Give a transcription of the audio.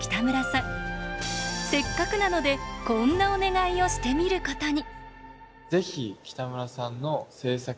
せっかくなのでこんなお願いをしてみることに。